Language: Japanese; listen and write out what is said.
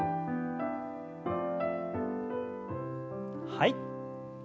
はい。